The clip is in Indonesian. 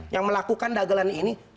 yang melakukan dagelan ini